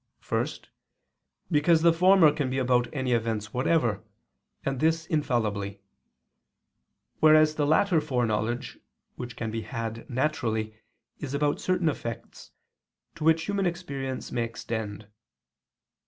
First, because the former can be about any events whatever, and this infallibly; whereas the latter foreknowledge, which can be had naturally, is about certain effects, to which human experience may extend.